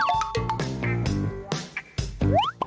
คือนายอัศพรบวรวาชัยครับ